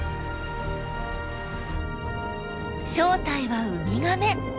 正体はウミガメ。